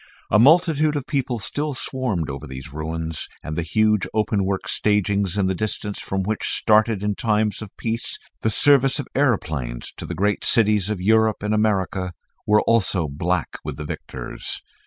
A multitude of people still swarmed over these ruins, and the huge openwork stagings in the distance from which started in times of peace the service of aeroplanes to the various great cities of Europe and America, were also black with the victors.